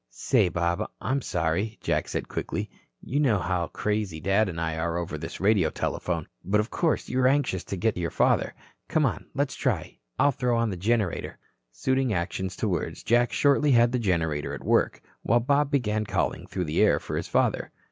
"Say, Bob, I'm sorry," Jack said quickly. "You know how crazy Dad and I are over this radio telephone. But, of course, you are anxious to get your father. Come on, let's try. I'll throw on the generator." Suiting action to words, Jack shortly had the generator at work, while Bob began calling through the air for his father.